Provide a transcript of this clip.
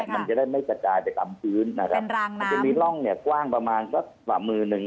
มันจะได้ไม่กระจายไปตามพื้นมันจะมีร่องกว้างประมาณสัก๓มือหนึ่ง